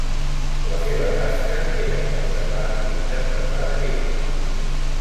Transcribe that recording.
La seva tasca era preservar i interpretar la llei.